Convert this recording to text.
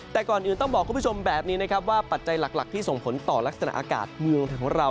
แต่ก่อนอื่นต้องบอกคุณผู้ชมแบบนี้นะครับว่าปัจจัยหลักที่ส่งผลต่อลักษณะอากาศเมืองไทยของเรา